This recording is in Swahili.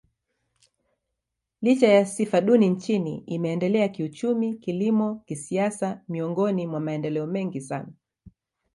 Licha ya sifa duni nchini, imeendelea kiuchumi, kilimo, kisiasa miongoni mwa maendeleo mengi sana.